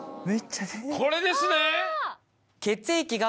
これですね！